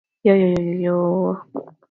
They also wrote the script with Louw Venter.